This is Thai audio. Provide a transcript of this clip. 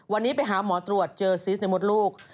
วันนี้ไปหาหมอตรวจเจอซีสในมดลูก